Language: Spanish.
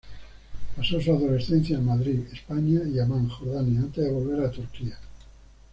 Pasó su adolescencia en Madrid, España y Ammán, Jordania antes de volver a Turquía.